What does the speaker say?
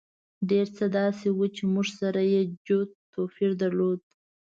ډېر څه داسې وو چې موږ سره یې جوت توپیر درلود.